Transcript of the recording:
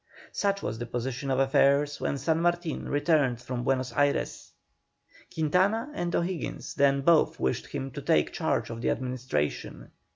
Such was the position of affairs when San Martin returned from Buenos Ayres. Quintana and O'Higgins then both wished him to take charge of the administration.